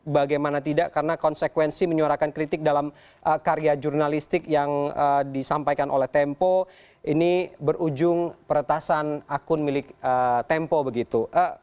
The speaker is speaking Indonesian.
bagaimana tidak karena konsekuensi menyuarakan kritik dalam karya jurnalistik yang disampaikan oleh tempo ini berujung peretasan akun milik tempo begitu